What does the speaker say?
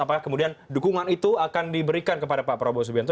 apakah kemudian dukungan itu akan diberikan kepada pak prabowo subianto